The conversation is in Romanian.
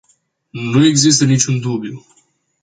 Nu există nici un dubiu.